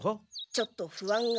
ちょっと不安が。